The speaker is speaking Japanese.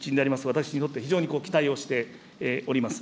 私にとって、非常に期待をしております。